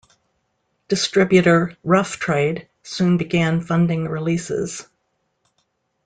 Distributor Rough Trade soon began funding releases.